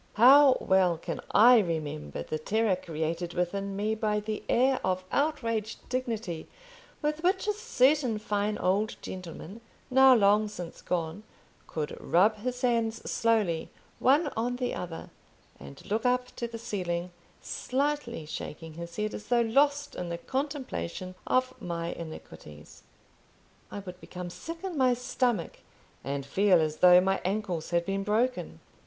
How well can I remember the terror created within me by the air of outraged dignity with which a certain fine old gentleman, now long since gone, could rub his hands slowly, one on the other, and look up to the ceiling, slightly shaking his head, as though lost in the contemplation of my iniquities! I would become sick in my stomach, and feel as though my ankles had been broken.